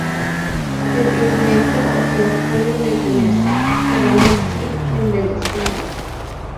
El crecimiento óseo puede detenerse, pero no así el de los tumores.